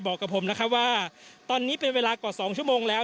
บอกกับผมนะครับว่าตอนนี้เป็นเวลากว่า๒ชั่วโมงแล้ว